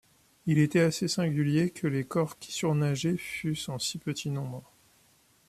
Il était assez singulier que les corps qui surnageaient fussent en si petit nombre.